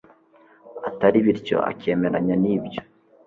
atari, bityo akemeranya n'ibyo